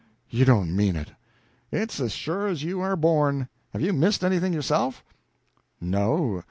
"You don't mean it!" "It's as sure as you are born! Have you missed anything yourself?" "No.